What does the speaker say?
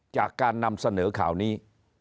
จากการนำเสนอข่าวนี้